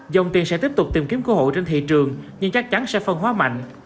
dòng tiền sẽ tiếp tục tìm kiếm cơ hội trên thị trường nhưng chắc chắn sẽ phân hóa mạnh